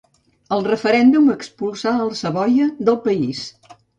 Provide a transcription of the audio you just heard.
El referèndum expulsà els Savoia del país.